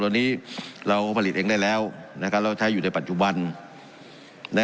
ตัวนี้เราผลิตเองได้แล้วนะครับแล้วใช้อยู่ในปัจจุบันใน